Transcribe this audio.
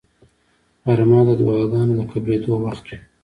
غرمه د دعاګانو د قبلېدو وخت وي